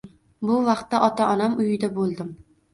Bu vaqtda ota-onam uyida bo`ldim